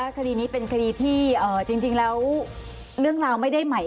คดีที่จริงแล้วเรื่องราวไม่ได้ใหม่